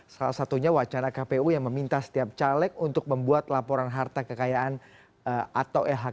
salah satunya wacana kpu yang meminta setiap caleg untuk membuat laporan harta kekayaan atau lhk